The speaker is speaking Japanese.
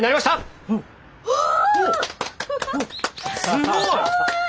すごい！